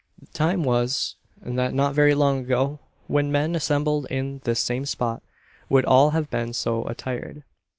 Time was and that not very long ago when men assembled in this same spot would all have been so attired.